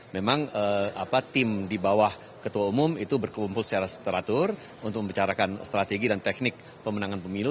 memang tim di bawah ketua umum itu berkumpul secara teratur untuk membicarakan strategi dan teknik pemenangan pemilu